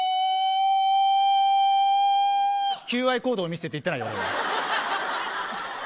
求愛行動を見せてって言ってない。